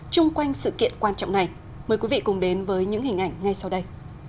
chung quanh sự kiện quan trọng này mời quý vị cùng đến với những hình ảnh ngay sau đây